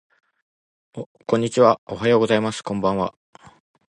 こんにちはおはようございますこんばんは